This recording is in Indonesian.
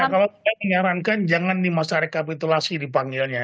kalau saya menyarankan jangan di masa rekapitulasi dipanggilnya